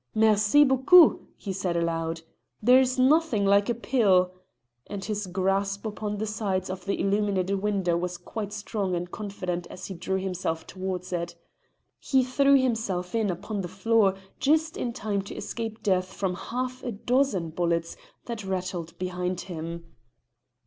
"Merci beaucoup!" he said aloud. "There is nothing like a pill," and his grasp upon the sides of the illuminated window was quite strong and confident as he drew himself towards it. He threw himself in upon the floor just in time to escape death from half a dozen bullets that rattled behind him.